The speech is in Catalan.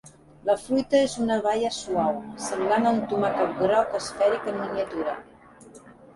La fruita és una baia suau, semblant a un tomàquet groc esfèric en miniatura.